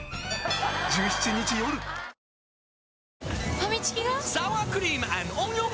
ファミチキが！？